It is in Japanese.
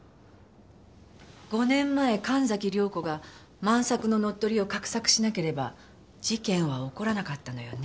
５年前神崎涼子が万さくの乗っ取りを画策しなければ事件は起こらなかったのよね？